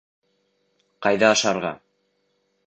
Ҡайҙа ашарға?